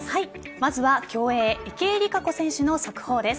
まずは競泳・池江璃花子選手の速報です。